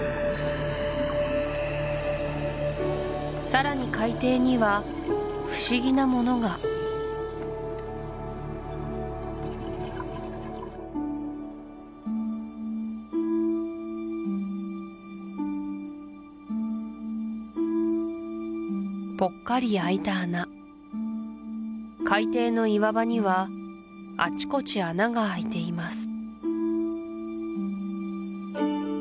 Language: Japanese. さらに海底には不思議なものがポッカリ開いた穴海底の岩場にはあちこち穴が開いています